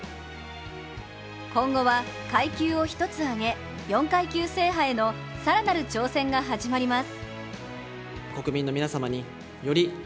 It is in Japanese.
今後は階級を１つあげ、４階級制覇への更なる挑戦が始まります。